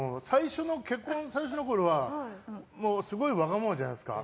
結婚して最初のころはすごいわがままじゃないですか。